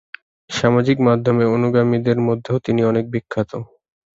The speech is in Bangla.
সামাজিক মাধ্যমে অনুগামীদের মধ্যেও তিনি অনেক বিখ্যাত।